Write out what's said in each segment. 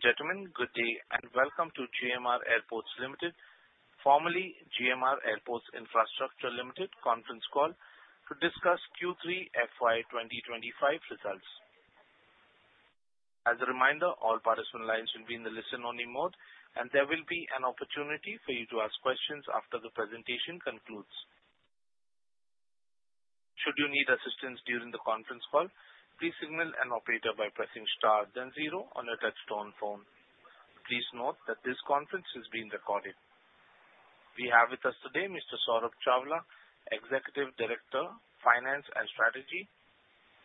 Ladies and gentlemen, good day and welcome to GMR Airports Limited, formerly GMR Airports Infrastructure Limited, conference call to discuss Q3 FY 2025 results. As a reminder, all participant lines will be in the listen-only mode, and there will be an opportunity for you to ask questions after the presentation concludes. Should you need assistance during the conference call, please signal an operator by pressing star then zero on your touch-tone phone. Please note that this conference is being recorded. We have with us today Mr. Saurabh Chawla, Executive Director, Finance and Strategy.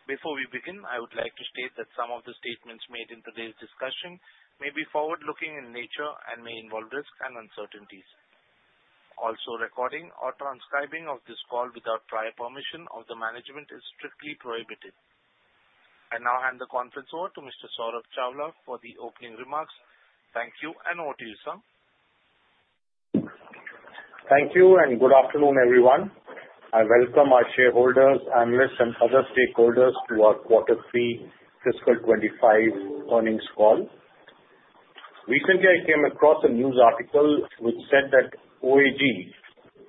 Before we begin, I would like to state that some of the statements made in today's discussion may be forward-looking in nature and may involve risks and uncertainties. Also, recording or transcribing of this call without prior permission of the management is strictly prohibited. I now hand the conference over to Mr. Saurabh Chawla for the opening remarks. Thank you and over to you, sir. Thank you and good afternoon, everyone. I welcome our shareholders, analysts, and other stakeholders to our Q3 FY 2025 earnings call. Recently, I came across a news article which said that OAG,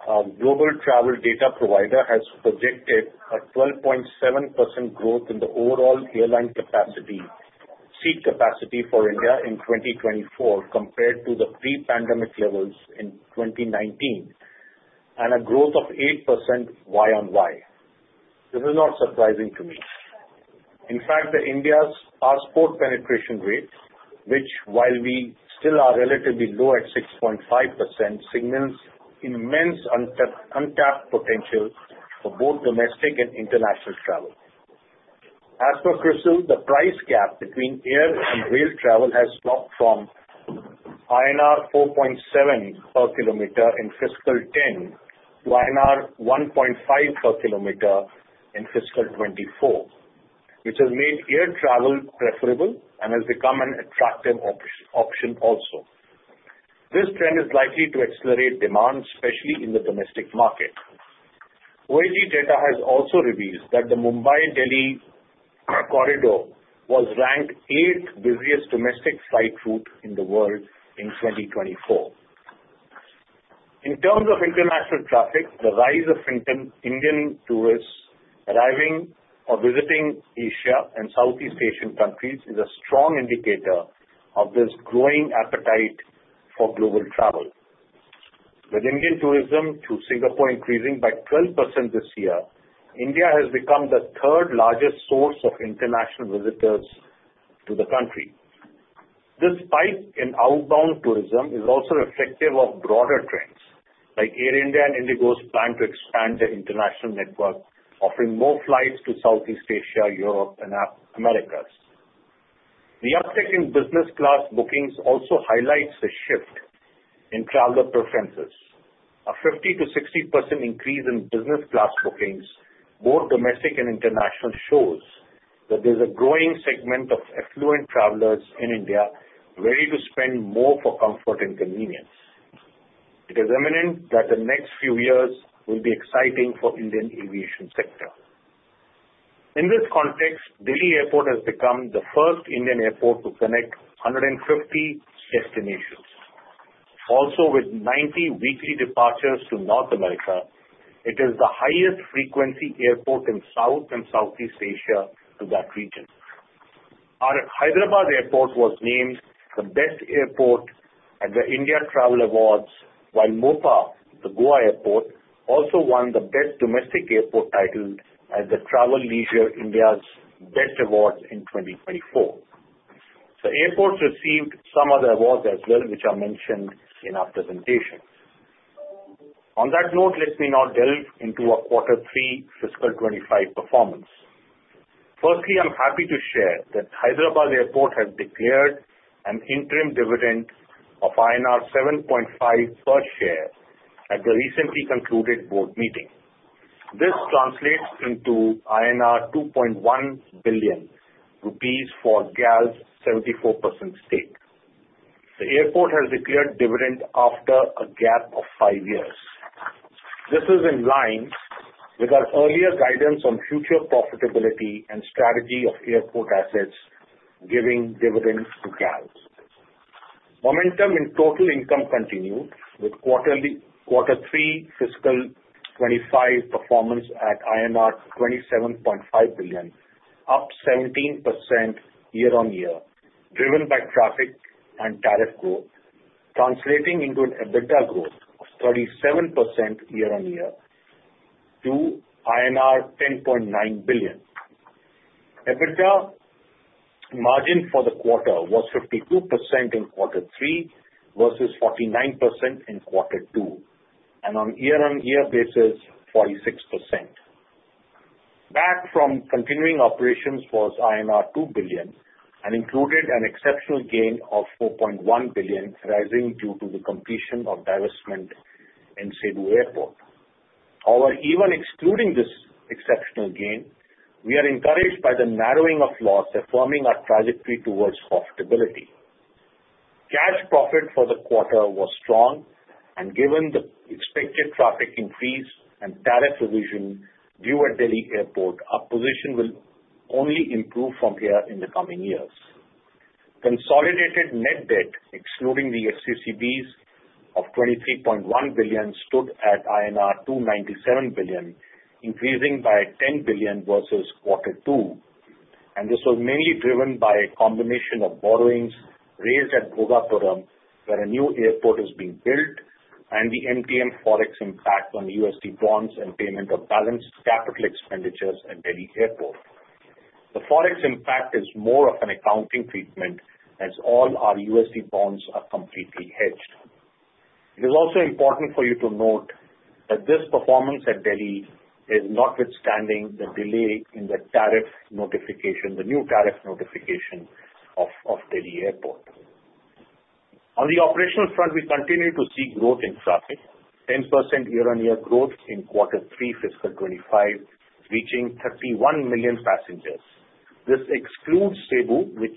a global travel data provider, has projected a 12.7% growth in the overall airline seat capacity for India in 2024 compared to the pre-pandemic levels in 2019, and a growth of 8% Y on Y. This is not surprising to me. In fact, India's passport penetration rate, which, while we still are relatively low at 6.5%, signals immense untapped potential for both domestic and international travel. As per CRISIL, the price gap between air and rail travel has dropped from INR 4.7 per kilometer in fiscal 2010 to INR 1.5 per kilometer in fiscal 2024, which has made air travel preferable and has become an attractive option also. This trend is likely to accelerate demand, especially in the domestic market. OAG data has also revealed that the Mumbai-Delhi corridor was ranked eighth busiest domestic flight route in the world in 2024. In terms of international traffic, the rise of Indian tourists arriving or visiting Asia and Southeast Asian countries is a strong indicator of this growing appetite for global travel. With Indian tourism to Singapore increasing by 12% this year, India has become the third-largest source of international visitors to the country. This spike in outbound tourism is also reflective of broader trends, like Air India and IndiGo's plan to expand the international network, offering more flights to Southeast Asia, Europe, and America. The uptick in business-class bookings also highlights a shift in traveler preferences. A 50%-60% increase in business-class bookings, both domestic and international, shows that there's a growing segment of affluent travelers in India ready to spend more for comfort and convenience. It is imminent that the next few years will be exciting for the Indian aviation sector. In this context, Delhi Airport has become the first Indian airport to connect 150 destinations. Also, with 90 weekly departures to North America, it is the highest-frequency airport in South and Southeast Asia to that region. Hyderabad Airport was named the best airport at the India Travel Awards, while Mopa, the Goa airport, also won the best domestic airport title at the Travel Leisure India's Best Awards in 2024. The airports received some other awards as well, which are mentioned in our presentation. On that note, let me now delve into our Q3 FY 25 performance. Firstly, I'm happy to share that Hyderabad Airport has declared an interim dividend of INR 7.5 per share at the recently concluded board meeting. This translates into 2.1 billion rupees for GAL's 74% stake. The airport has declared dividend after a gap of five years. This is in line with our earlier guidance on future profitability and strategy of airport assets giving dividend to GAL. Momentum in total income continued with Q3 FY 25 performance at 27.5 billion, up 17% year-on-year, driven by traffic and tariff growth, translating into an EBITDA growth of 37% year-on-year to INR 10.9 billion. EBITDA margin for the quarter was 52% in Q3 versus 49% in Q2, and on year-on-year basis, 46%. Profit from continuing operations was INR 2 billion and included an exceptional gain of 4.1 billion, arising due to the completion of divestment in Cebu Airport. However, even excluding this exceptional gain, we are encouraged by the narrowing of loss affirming our trajectory towards profitability. Cash profit for the quarter was strong, and given the expected traffic increase and tariff revision due at Delhi Airport, our position will only improve from here in the coming years. Consolidated net debt, excluding the FCCBs of 23.1 billion, stood at INR 297 billion, increasing by 10 billion versus Q2, and this was mainly driven by a combination of borrowings raised at Bhogapuram, where a new airport is being built, and the MTM Forex impact on USD bonds and payment of balanced capital expenditures at Delhi Airport. The Forex impact is more of an accounting treatment as all our USD bonds are completely hedged. It is also important for you to note that this performance at Delhi is notwithstanding the delay in the new tariff notification of Delhi Airport. On the operational front, we continue to see growth in traffic, 10% year-on-year growth in Q3 FY 25, reaching 31 million passengers. This excludes Cebu, which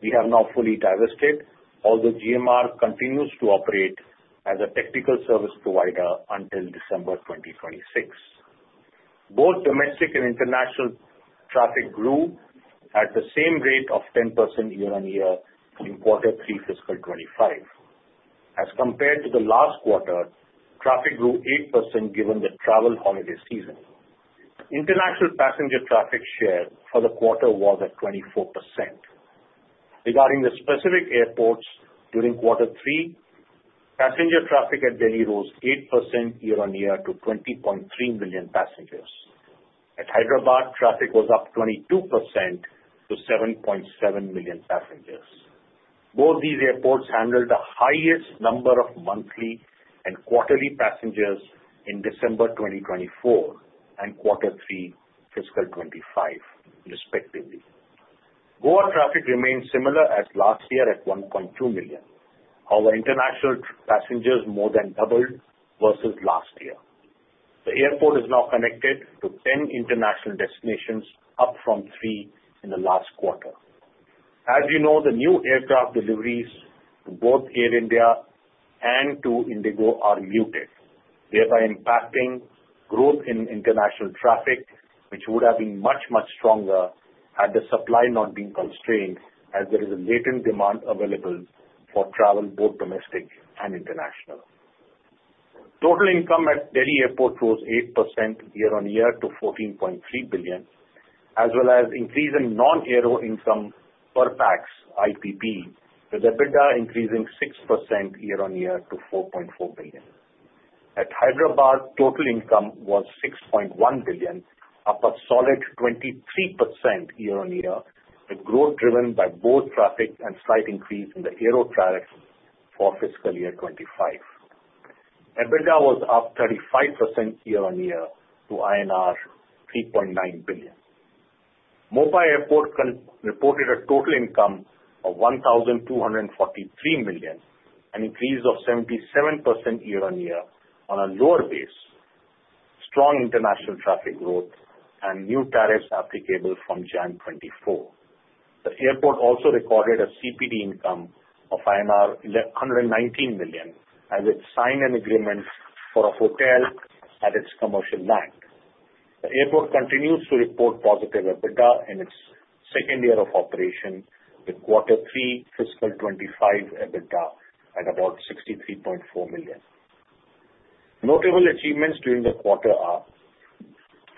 we have now fully divested, although GMR continues to operate as a technical service provider until December 2026. Both domestic and international traffic grew at the same rate of 10% year-on-year in Q3 FY 25. As compared to the last quarter, traffic grew 8% given the travel holiday season. International passenger traffic share for the quarter was at 24%. Regarding the specific airports during Q3, passenger traffic at Delhi rose 8% year-on-year to 20.3 million passengers. At Hyderabad, traffic was up 22% to 7.7 million passengers. Both these airports handled the highest number of monthly and quarterly passengers in December 2024 and Q3 FY 25, respectively. Goa traffic remained similar as last year at 1.2 million. However, international passengers more than doubled versus last year. The airport is now connected to 10 international destinations, up from 3 in the last quarter. As you know, the new aircraft deliveries to both Air India and to IndiGo are muted, thereby impacting growth in international traffic, which would have been much, much stronger had the supply not been constrained as there is a latent demand available for travel, both domestic and international. Total income at Delhi Airport rose 8% year-on-year to 14.3 billion, as well as an increase in non-aero income per pax, IPP, with EBITDA increasing 6% year-on-year to 4.4 billion. At Hyderabad, total income was 6.1 billion, up a solid 23% year-on-year, with growth driven by both traffic and slight increase in the aero tariffs for fiscal year 25. EBITDA was up 35% year-on-year to INR 3.9 billion. Mopa Airport reported a total income of 1,243 million, an increase of 77% year-on-year on a lower base, strong international traffic growth, and new tariffs applicable from January 2024. The airport also recorded a CPD income of INR 119 million as it signed an agreement for a hotel at its commercial land. The airport continues to report positive EBITDA in its second year of operation, with Q3 FY 25 EBITDA at about 63.4 million. Notable achievements during the quarter are,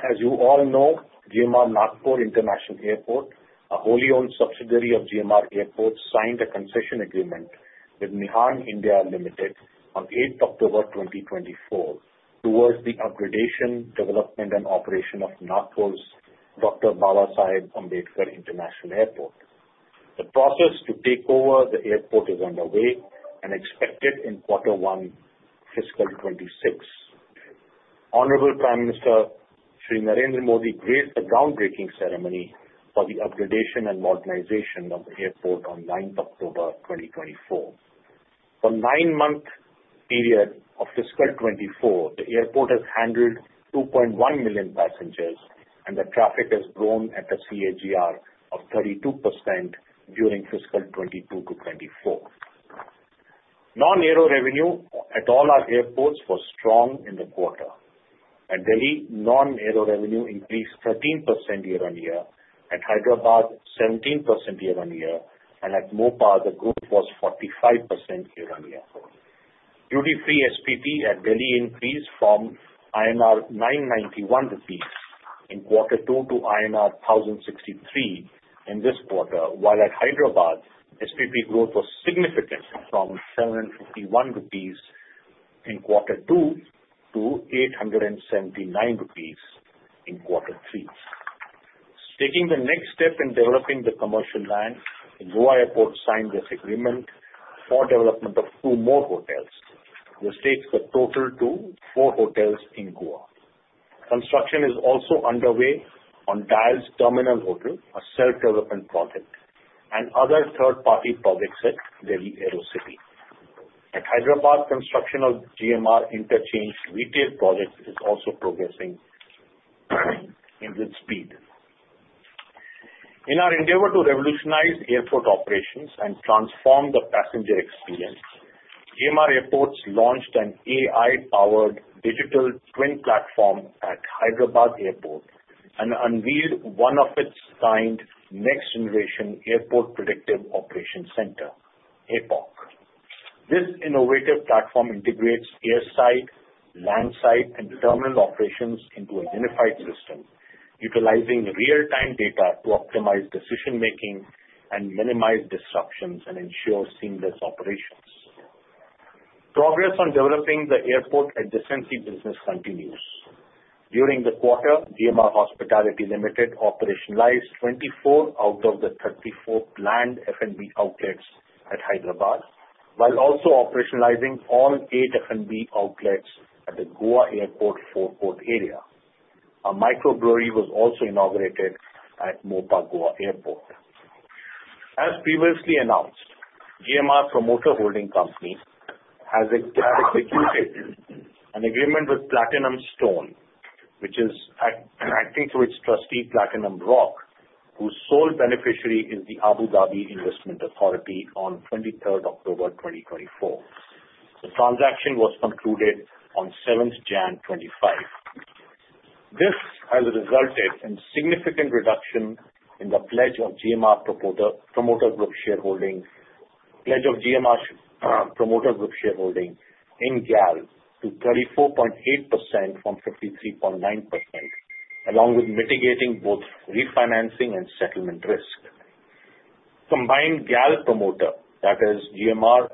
as you all know, GMR Nagpur International Airport, a wholly-owned subsidiary of GMR Airports, signed a concession agreement with MIHAN India Limited on 8th October 2024 towards the upgradation, development, and operation of Nagpur's Dr. Babasaheb Ambedkar International Airport. The process to take over the airport is underway and expected in Q1 FY 26. Honorable Prime Minister Sri Narendra Modi graced the groundbreaking ceremony for the upgradation and modernization of the airport on 9th October 2024. For a nine-month period of fiscal 24, the airport has handled 2.1 million passengers, and the traffic has grown at a CAGR of 32% during fiscal 22 to 24. Non-aero revenue at all our airports was strong in the quarter. At Delhi, non-aero revenue increased 13% year-on-year. At Hyderabad, 17% year-on-year. And at MOPA, the growth was 45% year-on-year. Duty-free SPP at Delhi increased from 991 rupees in Q2 to INR 1,063 in this quarter, while at Hyderabad, SPP growth was significant from 751 rupees in Q2 to 879 rupees in Q3. Taking the next step in developing the commercial land, Goa Airport signed this agreement for development of two more hotels, which takes the total to four hotels in Goa. Construction is also underway on DIAL's Terminal Hotel, a self-development project, and other third-party projects at Delhi AeroCity. At Hyderabad, construction of GMR AeroCity retail projects is also progressing in good speed. In our endeavor to revolutionize airport operations and transform the passenger experience, GMR Airports launched an AI-powered Digital Twin Platform at Hyderabad Airport and unveiled one-of-a-kind, next-generation Airport Predictive Operations Center, APOC. This innovative platform integrates airside, landside, and terminal operations into a unified system, utilizing real-time data to optimize decision-making and minimize disruptions and ensure seamless operations. Progress on developing the airport at Crete business continues. During the quarter, GMR Hospitality Limited operationalized 24 out of the 34 planned F&B outlets at Hyderabad, while also operationalizing all eight F&B outlets at the Goa Airport forward area. A microbrewery was also inaugurated at MOPA Goa Airport. As previously announced, GMR Promoter Holding Company has executed an agreement with Platinum Stone, which is acting through its trustee, Platinum Rock, whose sole beneficiary is the Abu Dhabi Investment Authority on 23rd October 2024. The transaction was concluded on 7th January 2025. This has resulted in a significant reduction in the pledge of GMR Promoter Group shareholding in GAL to 34.8% from 53.9%, along with mitigating both refinancing and settlement risk. Combined GAL promoter, that is, GMR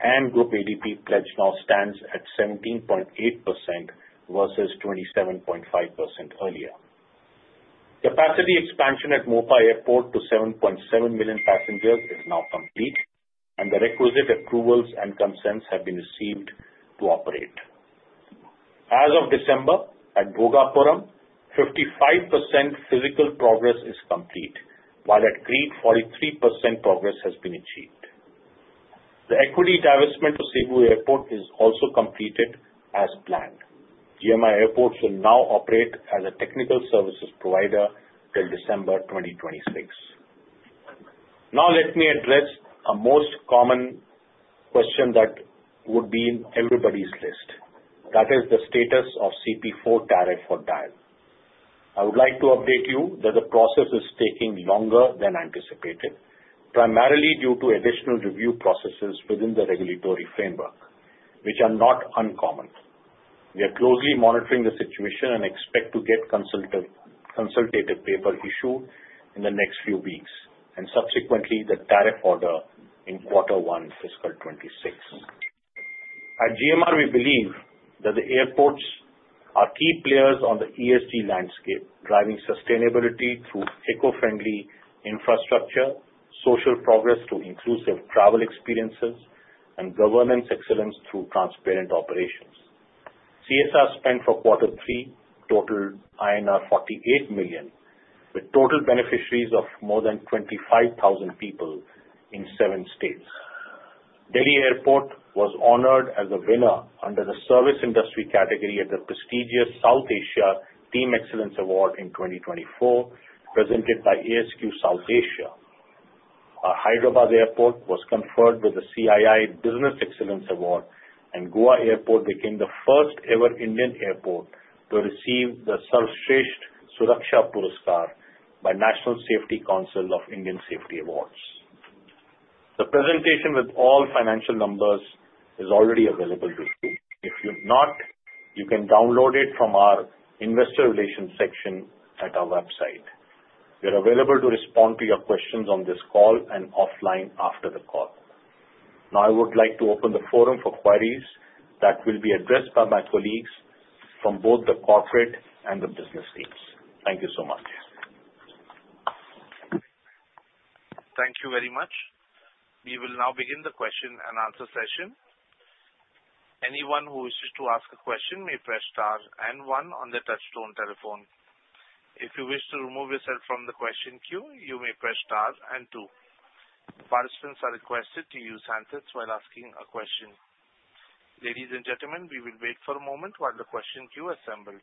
and Groupe ADP pledge now stands at 17.8% versus 27.5% earlier. Capacity expansion at Mopa Airport to 7.7 million passengers is now complete, and the requisite approvals and consents have been received to operate. As of December, at Bhogapuram, 55% physical progress is complete, while at Crete, 43% progress has been achieved. The equity divestment of Cebu Airport is also completed as planned. GMR Airports will now operate as a technical services provider till December 2026. Now, let me address a most common question that would be on everybody's list, that is the status of CP4 tariff for DIAL. I would like to update you that the process is taking longer than anticipated, primarily due to additional review processes within the regulatory framework, which are not uncommon. We are closely monitoring the situation and expect to get consultative paper issued in the next few weeks and subsequently the tariff order in Q1 FY 2026. At GMR, we believe that the airports are key players on the ESG landscape, driving sustainability through eco-friendly infrastructure, social progress through inclusive travel experiences, and governance excellence through transparent operations. CSR spent for Q3 totaled INR 48 million, with total beneficiaries of more than 25,000 people in seven states. Delhi Airport was honored as a winner under the Service Industry category at the prestigious South Asia Team Excellence Award in 2024, presented by ASQ South Asia. Hyderabad Airport was conferred with the CII Business Excellence Award, and Goa Airport became the first-ever Indian airport to receive the Sarvashreshtha Suraksha Puraskar by National Safety Council of India. The presentation with all financial numbers is already available to you. If you've not, you can download it from our investor relations section at our website. We are available to respond to your questions on this call and offline after the call. Now, I would like to open the forum for queries that will be addressed by my colleagues from both the corporate and the business teams. Thank you so much. Thank you very much. We will now begin the question and answer session. Anyone who wishes to ask a question may press star and one on the touch-tone telephone. If you wish to remove yourself from the question queue, you may press star and two. Participants are requested to use handsets while asking a question. Ladies and gentlemen, we will wait for a moment while the question queue assembles.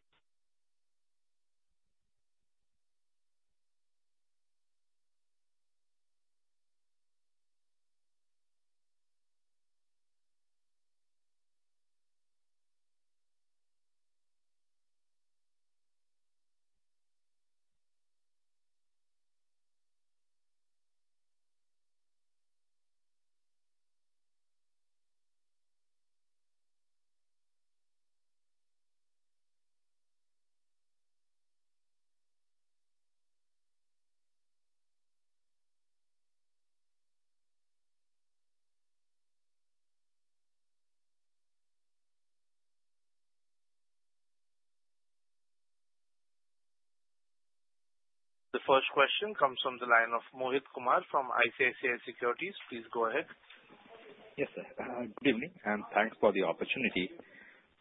The first question comes from the line of Mohit Kumar from ICICI Securities. Please go ahead. Yes, sir. Good evening and thanks for the opportunity.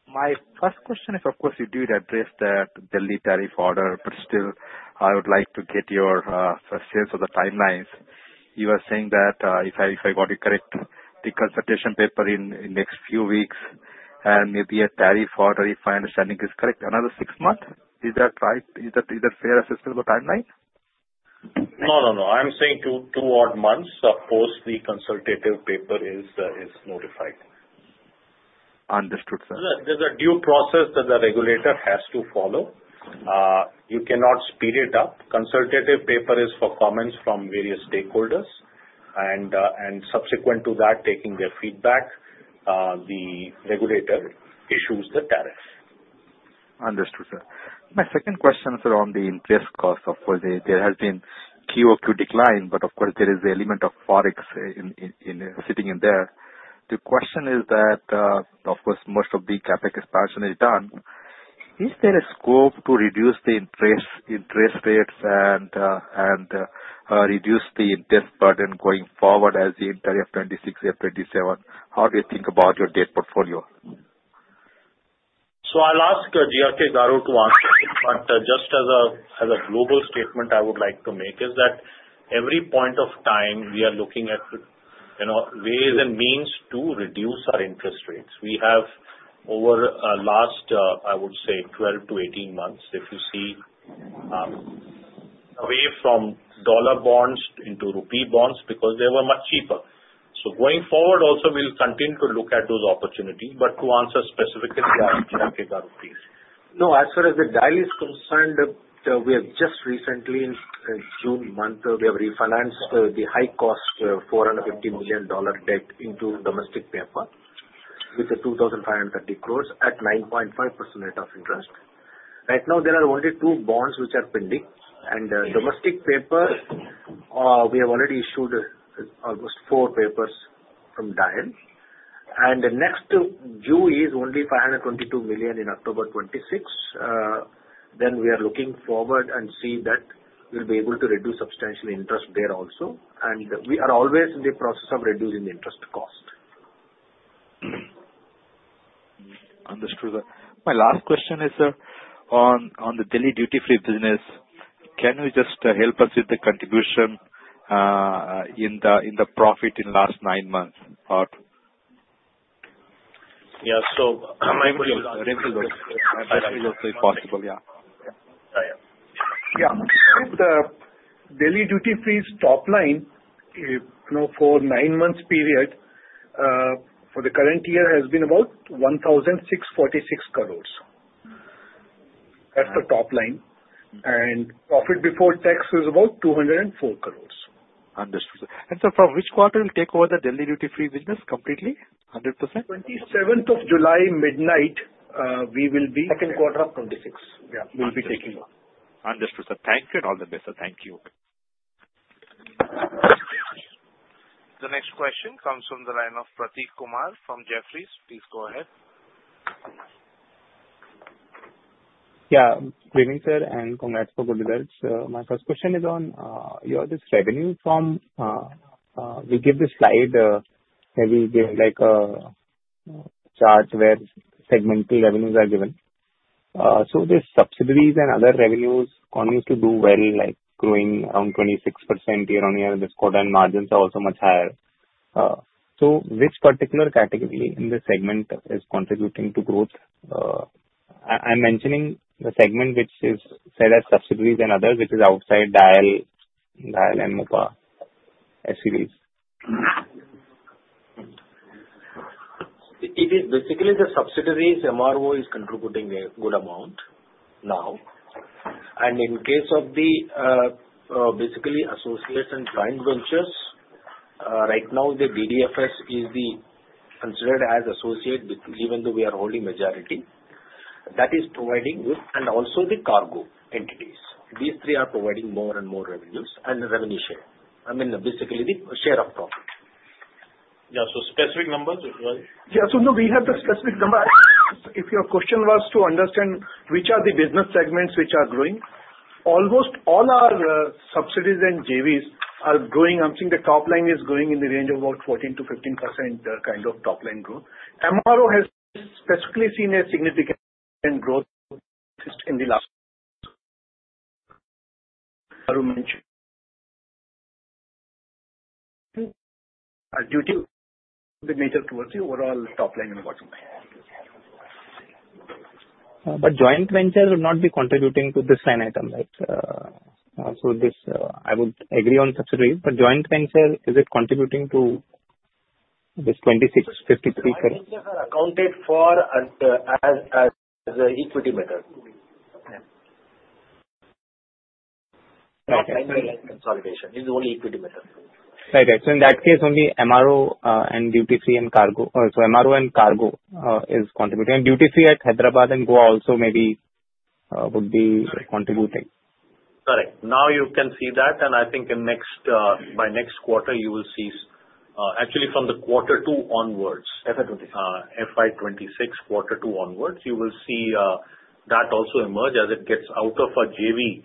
My first question is, of course, you did address the Delhi tariff order, but still, I would like to get your sense of the timelines. You were saying that if I got it correct, the consultation paper in the next few weeks and maybe a tariff order, if my understanding is correct, another six months. Is that fair assessment of the timeline? No, no, no. I'm saying two-odd months post the consultative paper is notified. Understood, sir. There's a due process that the regulator has to follow. You cannot speed it up. Consultative paper is for comments from various stakeholders and subsequent to that, taking their feedback, the regulator issues the tariff. Understood, sir. My second question is around the interest cost. Of course, there has been QOQ decline, but of course, there is the element of forex sitting in there. The question is that, of course, most of the CapEx expansion is done. Is there a scope to reduce the interest rates and reduce the interest burden going forward as the end of 2026, 2027? How do you think about your debt portfolio? So I'll ask G.R.K. Babu to answer, but just as a global statement I would like to make is that every point of time we are looking at ways and means to reduce our interest rates. We have over the last, I would say, 12-18 months, if you see, away from dollar bonds into rupee bonds because they were much cheaper. So going forward, also we'll continue to look at those opportunities, but to answer specifically, G.R.K. Babu, please. No, as far as the DIAL is concerned, we have just recently, in June month, we have refinanced the high-cost $450 million debt into domestic paper with the ₹2,530 crores at 9.5% rate of interest. Right now, there are only two bonds which are pending. And domestic paper, we have already issued almost four papers from DIAL. And the next due is only $522 million in October 2026. Then we are looking forward and see that we'll be able to reduce substantial interest there also. And we are always in the process of reducing the interest cost. Understood. My last question is on the Delhi duty-free business. Can you just help us with the contribution in the profit in the last nine months? Yeah. So my question is if possible, yeah. Yeah. With the Delhi duty-free top line for a nine-month period, for the current year, has been about 1,646 crores. That's the top line. And profit before tax is about 204 crores. Understood, sir. And so from which quarter will you take over the Delhi duty-free business completely? 100%? 27th of July, midnight, we will be. Second quarter of 2026. Yeah. We'll be taking over. Understood, sir. Thank you. All the best. Thank you. The next question comes from the line of Prateek Kumar from Jefferies. Please go ahead. Yeah. Good evening, sir, and congrats for good results. My first question is on your revenue from—we give the slide where we give a chart where segmental revenues are given. So the subsidiaries and other revenues continue to do well, like growing around 26% year-on-year. The share and margins are also much higher. So which particular category in the segment is contributing to growth? I'm mentioning the segment which is set as subsidiaries and others, which is outside DIAL and Mopa SCDs. Basically, the subsidiaries MRO is contributing a good amount now. And in case of the basically associates and joint ventures, right now the DDFS is considered as associate, even though we are holding majority. That is providing good, and also the cargo entities. These three are providing more and more revenues and revenue share. I mean, basically, the share of profit. Yeah. So specific numbers? Yeah. So no, we have the specific number. If your question was to understand which are the business segments which are growing, almost all our subsidiaries and JVs are growing. I'm seeing the top line is growing in the range of about 14%-15% kind of top line growth. MRO has specifically seen a significant growth in the last due to the major overall top line and bottom line. But joint ventures will not be contributing to this line item, right? So I would agree on subsidiaries, but joint ventures, is it contributing to this 26, 53? Joint ventures are accounted for as equity method. Yeah. Okay. Like consolidation. It's only equity method. Right, right. So in that case, only MRO and duty-free and cargo so MRO and cargo is contributing. And duty-free at Hyderabad and Goa also maybe would be contributing. Correct. Now you can see that, and I think by next quarter, you will see, actually, from the quarter two onwards, FY26 quarter two onwards, you will see that also emerge as it gets out of a JV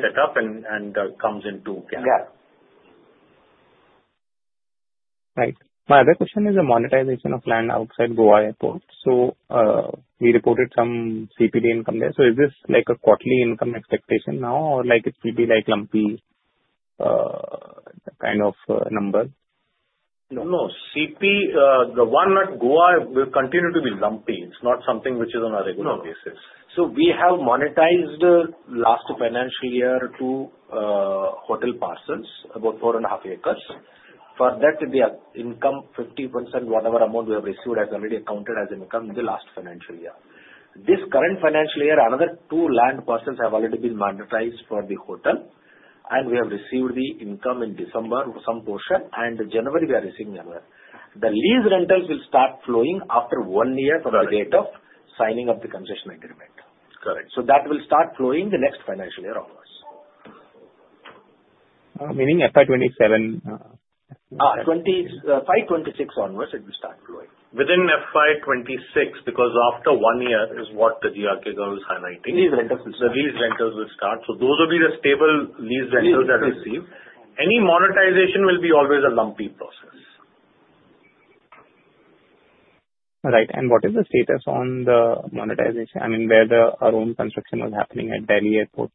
setup and comes into GAL. Yeah. Right. My other question is the monetization of land outside Goa Airport. So we reported some CPD income there. So is this like a quarterly income expectation now, or it will be like lumpy kind of number? No. No. The one at Goa will continue to be lumpy. It's not something which is on a regular basis. So we have monetized last financial year two hotel parcels, about four and a half acres. For that, the income, 50% whatever amount we have received has already accounted as income in the last financial year. This current financial year, another two land parcels have already been monetized for the hotel, and we have received the income in December, some portion, and January we are receiving another. The lease rentals will start flowing after one year from the date of signing of the concession agreement. Correct. So that will start flowing the next financial year onwards. Meaning FY27? FY26 onwards, it will start flowing. Within FY26, because after one year is what the G.R.K. Babu is highlighting. Lease rentals will start. So those will be the stable lease rentals that are received. Any monetization will be always a lumpy process. Right. And what is the status on the monetization? I mean, where our own construction was happening at Delhi Airport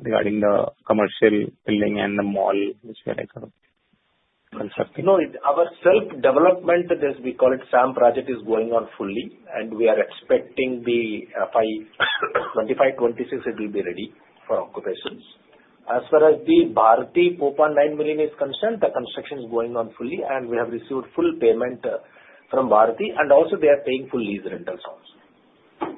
regarding the commercial building and the mall which we are constructing? No, our self-development, as we call it, SAM project is going on fully, and we are expecting 2025, 2026 it will be ready for occupation. As far as the Bharti 4.9 million is concerned, the construction is going on fully, and we have received full payment from Bharti, and also they are paying full lease rentals also.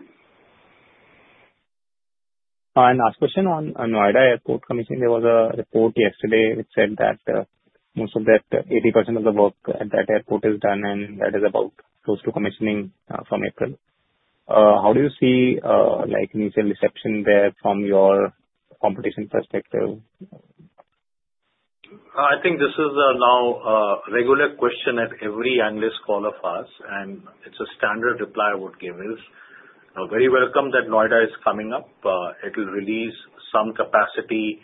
My last question on Noida Airport commissioning. There was a report yesterday which said that most of that, 80% of the work at that airport is done, and that is about close to commissioning from April. How do you see initial reception there from your competition perspective? I think this is now a regular question at every analyst call of ours, and it's a standard reply I would give is very welcome that Noida is coming up. It will release some capacity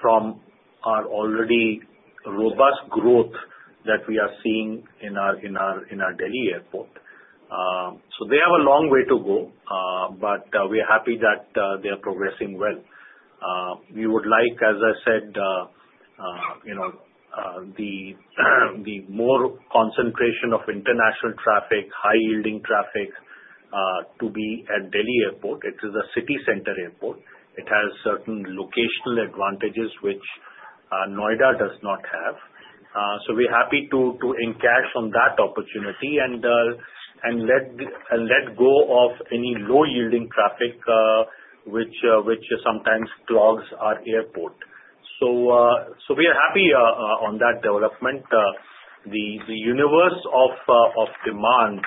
from our already robust growth that we are seeing in our Delhi Airport. So they have a long way to go, but we are happy that they are progressing well. We would like, as I said, the more concentration of international traffic, high-yielding traffic to be at Delhi Airport. It is a city-center airport. It has certain locational advantages which Noida does not have. So we're happy to encash on that opportunity and let go of any low-yielding traffic which sometimes clogs our airport. So we are happy on that development. The universe of demand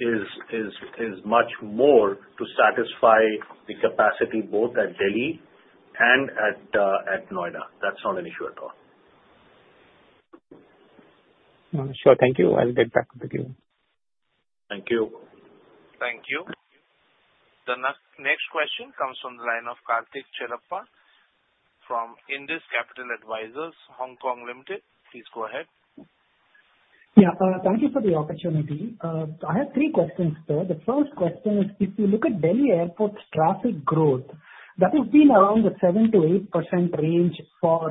is much more to satisfy the capacity both at Delhi and at Noida. That's not an issue at all. Sure. Thank you. I'll get back to you. Thank you. Thank you. The next question comes from the line of Karthik Chellappa from Indus Capital Advisors, Hong Kong Limited.Please go ahead. Yeah. Thank you for the opportunity. I have three questions, sir. The first question is, if you look at Delhi Airport's traffic growth, that has been around the 7%-8% range for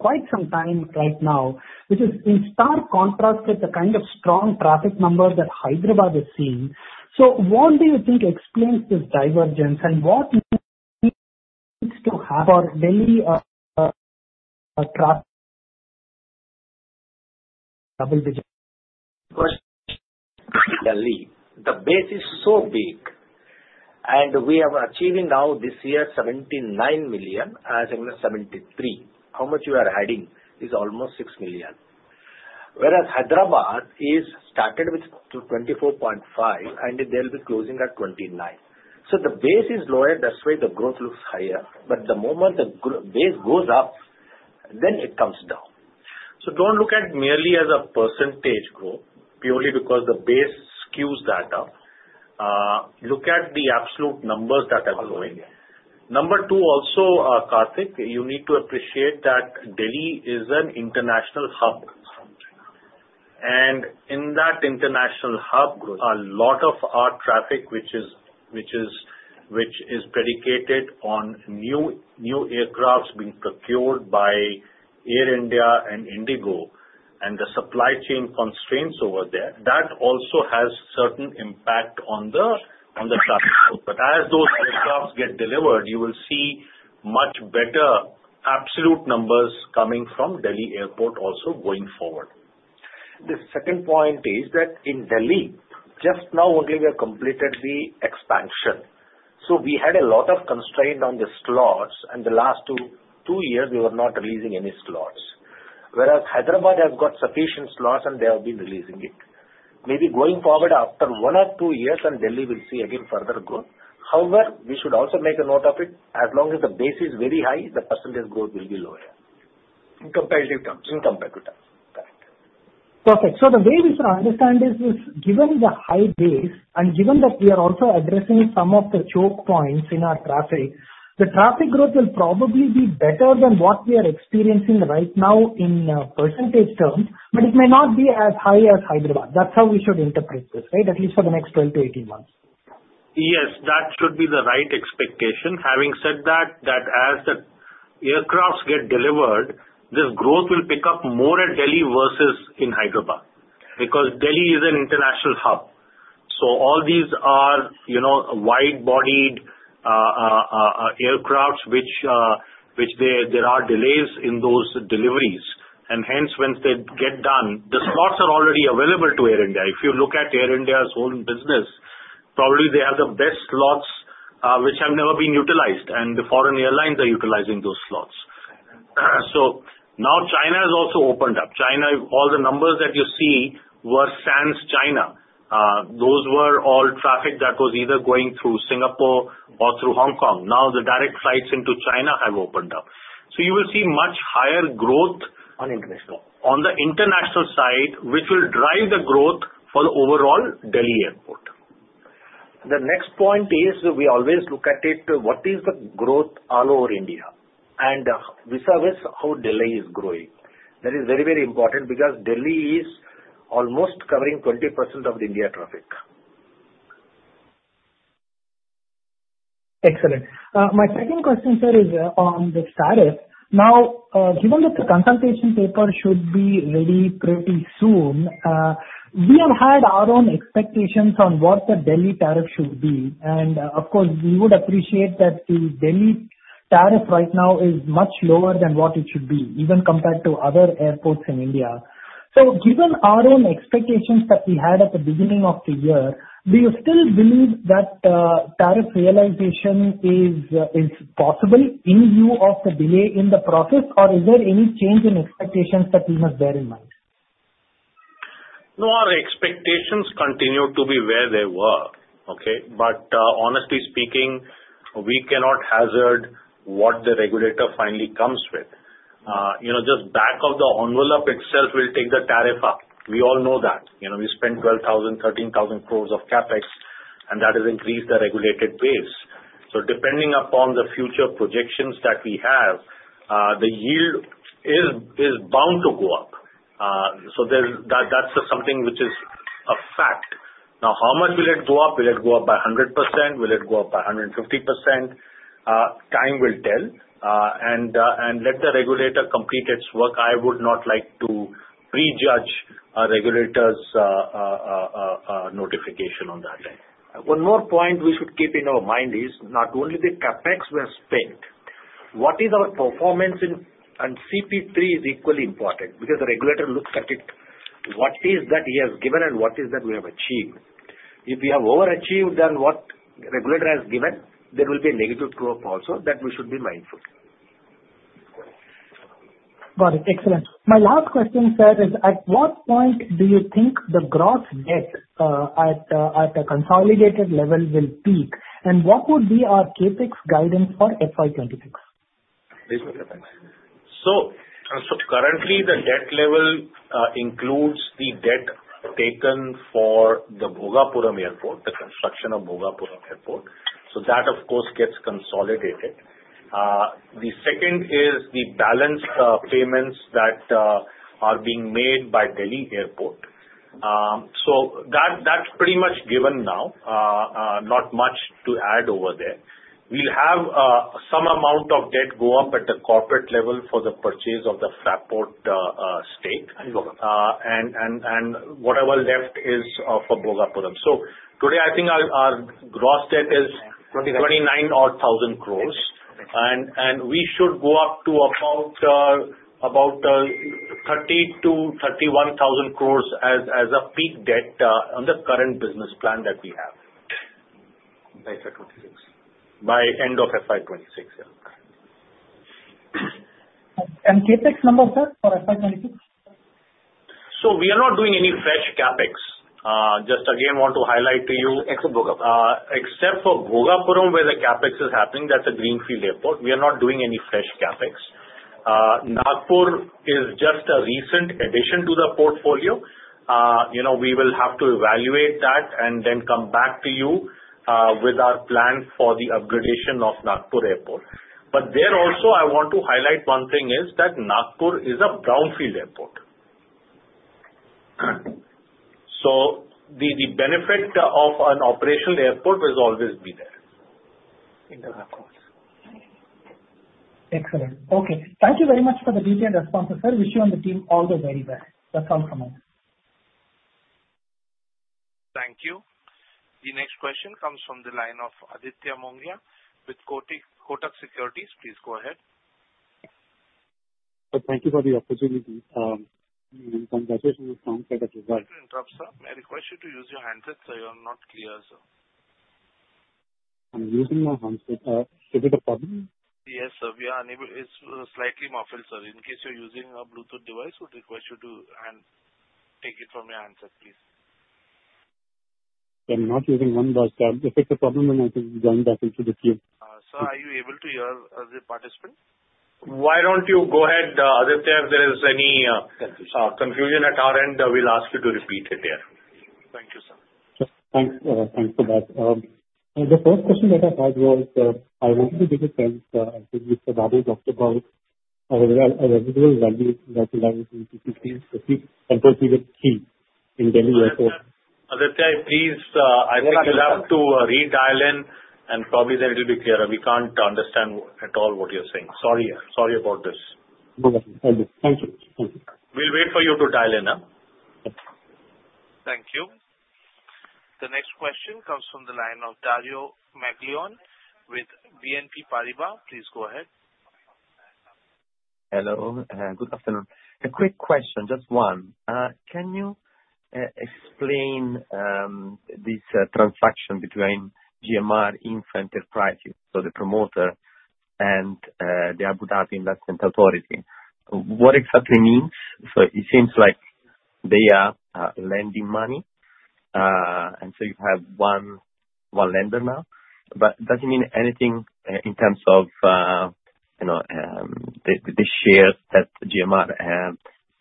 quite some time right now, which is in stark contrast with the kind of strong traffic numbers that Hyderabad is seeing. So what do you think explains this divergence, and what needs to happen for Delhi? Delhi. The base is so big, and we are achieving now this year 79 million, as in 73. How much you are adding is almost 6 million. Whereas Hyderabad started with 24.5, and they'll be closing at 29. So the base is lower, that's why the growth looks higher. But the moment the base goes up, then it comes down. So don't look at it merely as a percentage growth purely because the base skews that up. Look at the absolute numbers that are growing. Number two, also, Karthik, you need to appreciate that Delhi is an international hub, and in that international hub, a lot of our traffic, which is predicated on new aircraft being procured by Air India and Indigo, and the supply chain constraints over there, that also has a certain impact on the traffic growth, but as those aircraft get delivered, you will see much better absolute numbers coming from Delhi Airport also going forward. The second point is that in Delhi, just now only we have completed the expansion. So we had a lot of constraint on the slots, and the last two years, we were not releasing any slots. Whereas Hyderabad has got sufficient slots, and they have been releasing it. Maybe going forward, after one or two years, Delhi will see again further growth. However, we should also make a note of it. As long as the base is very high, the percentage growth will be lower. In comparative terms. Correct. Perfect. So the way we should understand is, given the high base and given that we are also addressing some of the choke points in our traffic, the traffic growth will probably be better than what we are experiencing right now in percentage terms, but it may not be as high as Hyderabad. That's how we should interpret this, right? At least for the next 12 to 18 months. Yes. That should be the right expectation. Having said that, as the aircrafts get delivered, this growth will pick up more at Delhi versus in Hyderabad because Delhi is an international hub. So all these are wide-bodied aircrafts which there are delays in those deliveries. And hence, once they get done, the slots are already available to Air India. If you look at Air India's own business, probably they have the best slots which have never been utilized, and the foreign airlines are utilizing those slots. So now China has also opened up. China, all the numbers that you see were sans China. Those were all traffic that was either going through Singapore or through Hong Kong. Now the direct flights into China have opened up. So you will see much higher growth on the international side, which will drive the growth for the overall Delhi Airport. The next point is we always look at it, what is the growth all over India? And we assess how Delhi is growing. That is very, very important because Delhi is almost covering 20% of the India traffic. Excellent. My second question, sir, is on the tariff. Now, given that the consultation paper should be ready pretty soon, we have had our own expectations on what the Delhi tariff should be. Of course, we would appreciate that the Delhi tariff right now is much lower than what it should be, even compared to other airports in India. Given our own expectations that we had at the beginning of the year, do you still believe that tariff realization is possible in view of the delay in the process, or is there any change in expectations that we must bear in mind? No, our expectations continue to be where they were, okay? But honestly speaking, we cannot hazard what the regulator finally comes with. Just back of the envelope itself will take the tariff up. We all know that. We spent ₹12,000-13,000 crores of Capex, and that has increased the regulated base. So depending upon the future projections that we have, the yield is bound to go up. So that's something which is a fact. Now, how much will it go up? Will it go up by 100%? Will it go up by 150%? Time will tell. And let the regulator complete its work. I would not like to prejudge a regulator's notification on that. One more point we should keep in our mind is not only the CapEx we have spent. What is our performance in CP3 is equally important because the regulator looks at it. What is that he has given, and what is that we have achieved? If we have overachieved than what the regulator has given, there will be a negative trope also that we should be mindful. Got it. Excellent. My last question, sir, is at what point do you think the gross debt at a consolidated level will peak, and what would be our capex guidance for FY26? So currently, the debt level includes the debt taken for the Bhogapuram Airport, the construction of Bhogapuram Airport. So that, of course, gets consolidated. The second is the balance payments that are being made by Delhi Airport. So that's pretty much given now. Not much to add over there. We'll have some amount of debt go up at the corporate level for the purchase of the Fraport stake and whatever left is for Bhogapuram. So today, I think our gross debt is ₹29,000 crores, and we should go up to about ₹30,000-₹31,000 crores as a peak debt on the current business plan that we have. By FY26. By end of FY26, yeah. And capex numbers, sir, for FY26? So we are not doing any fresh CapEx. Just again, want to highlight to you. Except for Bhogapuram. Except for Bhogapuram where the CapEx is happening, that's a greenfield airport. We are not doing any fresh CapEx. Nagpur is just a recent addition to the portfolio. We will have to evaluate that and then come back to you with our plan for the upgradation of Nagpur Airport. But there also, I want to highlight one thing is that Nagpur is a brownfield airport. So the benefit of an operational airport will always be there. Excellent. Okay. Thank you very much for the detailed responses, sir. Wish you and the team all the very best. That's all from me. Thank you. The next question comes from the line of Aditya Mongia with Kotak Securities. Please go ahead. Thank you for the opportunity. Congratulations from Kotak.Thank you for the intro, sir. I request you to use your handset so you are not clear, sir. I'm using my handset. Is it a problem? Yes, sir. It's slightly muffled, sir. In case you're using a Bluetooth device, we'd request you to take it from your handset, please. I'm not using one voice tab. If it's a problem, then I can join back into the queue. Sir, are you able to hear the participant? Why don't you go ahead, Aditya? If there is any confusion at our end, we'll ask you to repeat it here. Thank you, sir. Thanks for that. The first question that I had was, I wanted to take a chance with Mr. Babu to talk about our residual value that we have in CP3 and what we will keep in Delhi Airport. Aditya, please, I think you'll have to redial in, and probably then it will be clearer. We can't understand at all what you're saying. Sorry about this. No worries. Thank you. Thank you. We'll wait for you to dial in. Thank you. The next question comes from the line of Dario Maglione with BNP Paribas. Please go ahead. Hello. Good afternoon. A quick question, just one. Can you explain this transaction between GMR Infrastructure Enterprises, so the promoter, and the Abu Dhabi Investment Authority? What exactly means? So it seems like they are lending money, and so you have one lender now. But does it mean anything in terms of the shares that GMR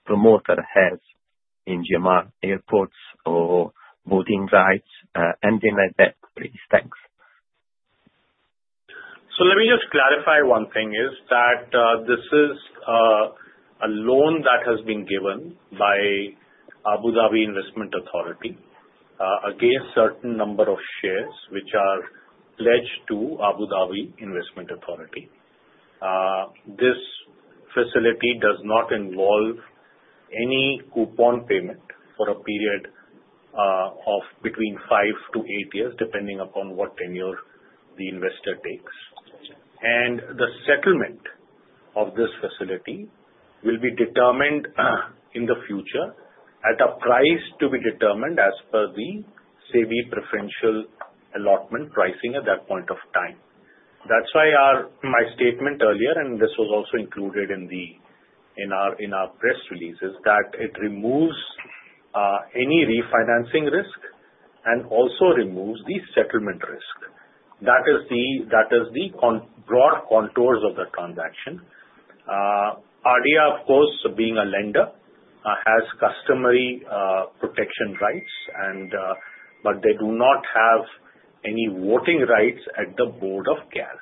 promoter has in GMR Airports or voting rights and things like that? Thanks. So let me just clarify one thing is that this is a loan that has been given by Abu Dhabi Investment Authority against a certain number of shares which are pledged to Abu Dhabi Investment Authority. This facility does not involve any coupon payment for a period of between five to eight years, depending upon what tenure the investor takes. And the settlement of this facility will be determined in the future at a price to be determined as per the SEBI preferential allotment pricing at that point of time. That's why my statement earlier, and this was also included in our press release, is that it removes any refinancing risk and also removes the settlement risk. That is the broad contours of the transaction. ADIA, of course, being a lender, has customary protection rights, but they do not have any voting rights at the Board of GAL.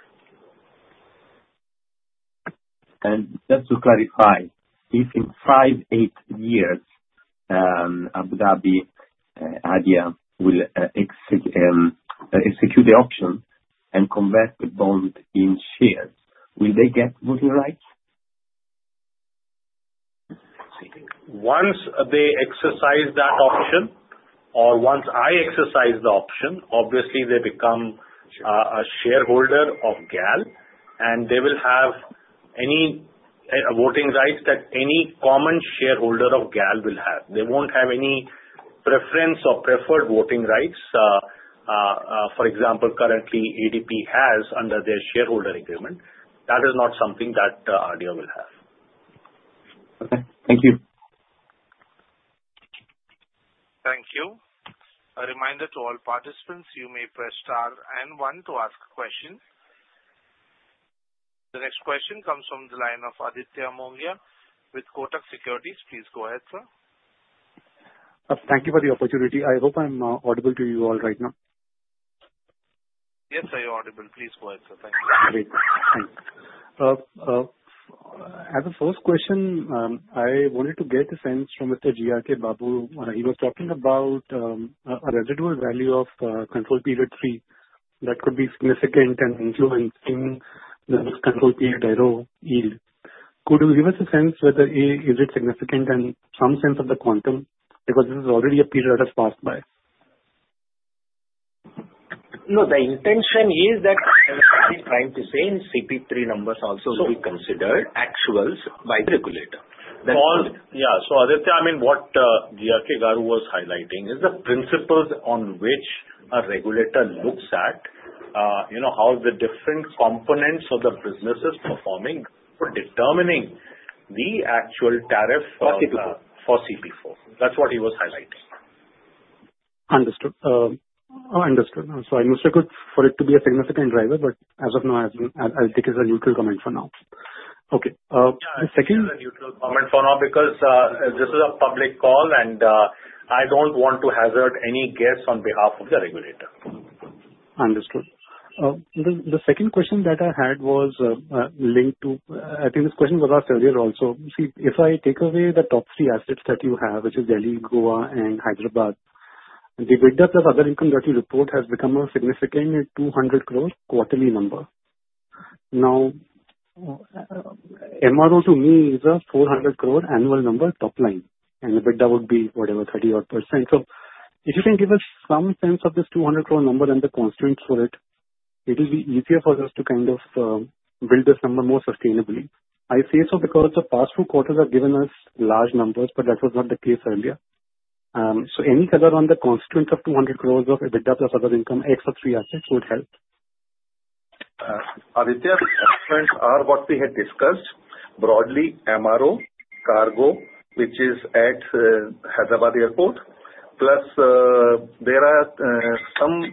And just to clarify, if in five, eight years, Abu Dhabi ADIA will execute the option and convert the bond in shares, will they get voting rights? Once they exercise that option or once I exercise the option, obviously, they become a shareholder of GAL, and they will have any voting rights that any common shareholder of GAL will have. They won't have any preference or preferred voting rights, for example, currently ADP has under their shareholder agreement. That is not something that ADIA will have. Okay. Thank you. Thank you. A reminder to all participants, you may press star and one to ask questions. The next question comes from the line of Aditya Mongia with Kotak Securities. Please go ahead, sir. Thank you for the opportunity. I hope I'm audible to you all right now. Yes, sir, you're audible. Please go ahead, sir. Thank you. Great. Thanks. As a first question, I wanted to get a sense from Mr. G.R.K. Babu. He was talking about a residual value of control period three that could be significant and influencing the control period four yield. Could you give us a sense whether it is significant and some sense of the quantum because this is already a period that has passed by? No, the intention is that what I'm trying to say in CP3 numbers also will be considered actuals by the regulator. Y eah. So Aditya, I mean, what G.R.K. Babu was highlighting is the principles on which a regulator looks at how the different components of the business is performing for determining the actual tariff for CP4. That's what he was highlighting. Understood. Understood. Sorry. But for it to be a significant driver, but as of now, I think it's a neutral comment for now. Okay. The second. It's a neutral comment for now because this is a public call, and I don't want to hazard any guess on behalf of the regulator. Understood. The second question that I had was linked to, I think this question was asked earlier also. See, if I take away the top three assets that you have, which are Delhi, Goa, and Hyderabad, the EBITDA plus other income that you report has become a significant 200 crore quarterly number. Now, MRO to me is a 400 crore annual number top line, and the EBITDA would be whatever, 30-odd%. So if you can give us some sense of this 200 crore number and the constraints for it, it will be easier for us to kind of build this number more sustainably. I say so because the past two quarters have given us large numbers, but that was not the case earlier. So any color on the constraints of 200 crores of EBITDA plus other income except three assets would help. Aditya, the constraints are what we had discussed broadly: MRO, cargo, which is at Hyderabad Airport, plus there are some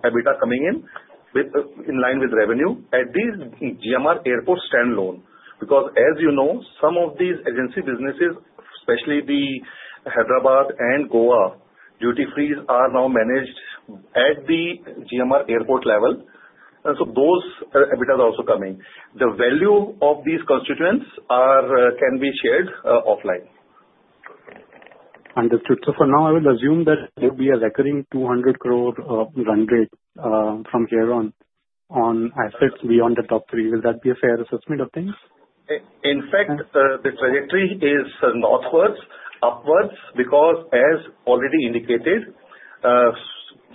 EBITDA coming in in line with revenue at the GMR Airport standalone because, as you know, some of these agency businesses, especially the Hyderabad and Goa duty-frees, are now managed at the GMR Airport level. So those EBITDAs are also coming. The value of these constituents can be shared offline. Understood. So for now, I will assume that there will be a recurring 200 crore run rate from here on assets beyond the top three. Will that be a fair assessment of things? In fact, the trajectory is northwards, upwards because, as already indicated,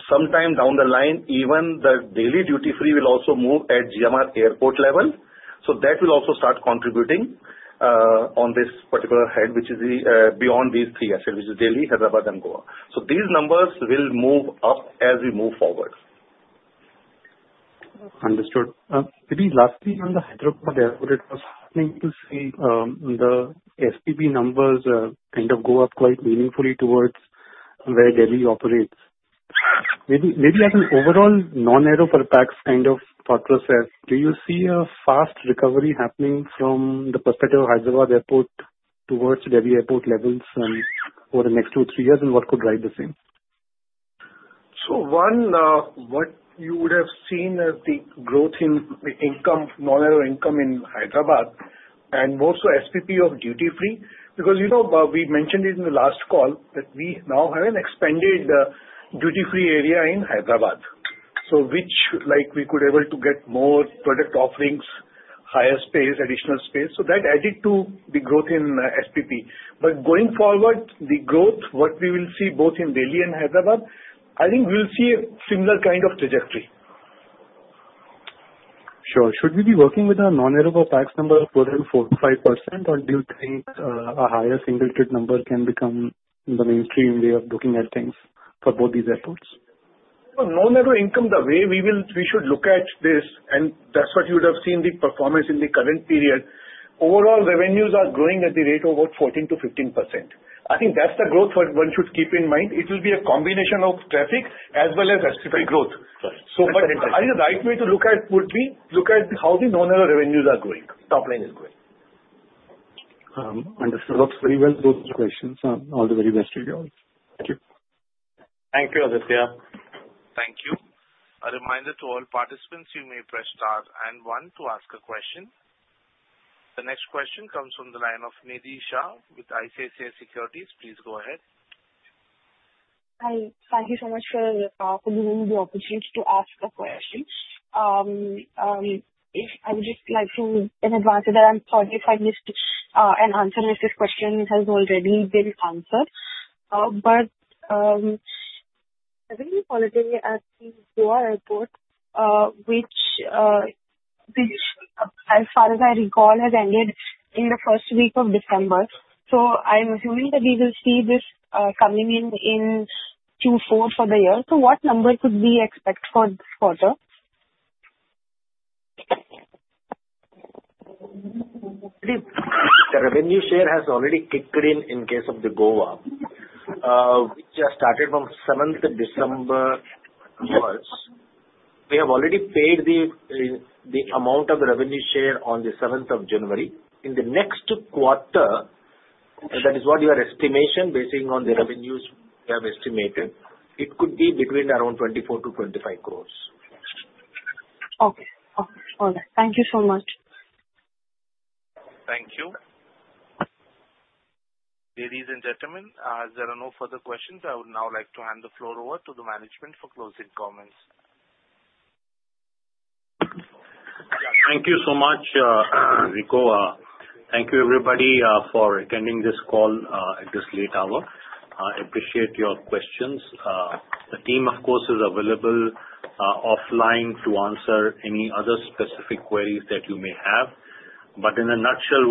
sometime down the line, even the daily duty-free will also move at GMR Airport level. So that will also start contributing on this particular head, which is beyond these three assets, which is Delhi, Hyderabad, and Goa. So these numbers will move up as we move forward. Understood. Maybe lastly, on the Hyderabad Airport, it was heartening to see the SPP numbers kind of go up quite meaningfully towards where Delhi operates. Maybe as an overall non-aero for pax kind of thought process, do you see a fast recovery happening from the perspective of Hyderabad Airport towards Delhi Airport levels over the next two to three years, and what could drive the same? So one, what you would have seen as the growth in non-aero income in Hyderabad and also SPP of duty-free because we mentioned it in the last call that we now have an expanded duty-free area in Hyderabad, so which we could be able to get more product offerings, higher space, additional space. So that added to the growth in SPP. But going forward, the growth, what we will see both in Delhi and Hyderabad, I think we'll see a similar kind of trajectory. Sure. Should we be working with a non-aero for pax number of 205%, or do you think a higher single-digit number can become the mainstream way of looking at things for both these airports? Non-aero income, the way we should look at this, and that's what you would have seen the performance in the current period. Overall, revenues are growing at the rate of about 14%-15%. I think that's the growth one should keep in mind. It will be a combination of traffic as well as SPP growth. So I think the right way to look at it would be to look at how the non-aero revenues are growing, top line is growing. Understood. That's very well-posed questions. All the very best to you all. Thank you. Thank you, Aditya. Thank you. A reminder to all participants, you may press star and one to ask a question. The next question comes from the line of Nidhi Shah with ICICI Securities. Please go ahead. Hi. Thank you so much for giving me the opportunity to ask a question. I would just like to, in advance, say that I'm sorry if I missed an answer if this question has already been answered. But I think the quarter at Goa Airport, which, as far as I recall, has ended in the first week of December. So I'm assuming that we will see this coming in Q4 for the year. So what number could we expect for this quarter? The revenue share has already kicked in in case of the Goa. We just started from 7th December. We have already paid the amount of the revenue share on the 7th of January. In the next quarter, that is what your estimation is based on the revenues we have estimated. It could be between around 24-25 crores. Okay. Okay. All right. Thank you so much. Thank you. Ladies and gentlemen, as there are no further questions, I would now like to hand the floor over to the management for closing comments. Thank you so much, Riko. Thank you, everybody, for attending this call at this late hour. I appreciate your questions. The team, of course, is available offline to answer any other specific queries that you may have. But in a nutshell,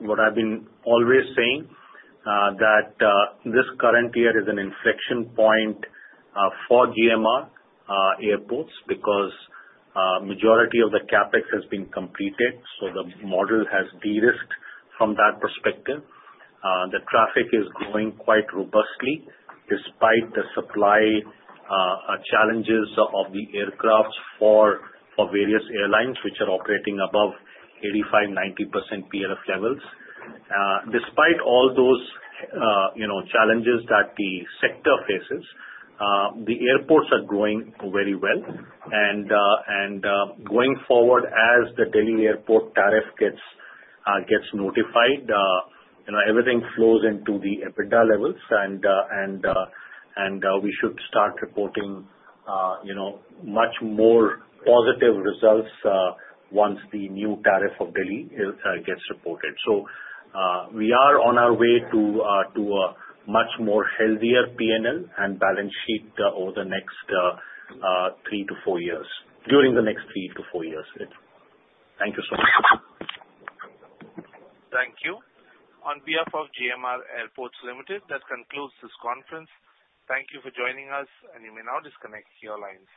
what I've been always saying is that this current year is an inflection point for GMR Airports because the majority of the CapEx has been completed, so the model has de-risked from that perspective. The traffic is growing quite robustly despite the supply challenges of the aircraft for various airlines which are operating above 85%-90% PLF levels. Despite all those challenges that the sector faces, the airports are growing very well. Going forward, as the Delhi Airport tariff gets notified, everything flows into the EBITDA levels, and we should start reporting much more positive results once the new tariff of Delhi gets reported. We are on our way to a much more healthier P&L and balance sheet over the next three to four years. Thank you so much. Thank you. On behalf of GMR Airports Limited, that concludes this conference. Thank you for joining us, and you may now disconnect your lines.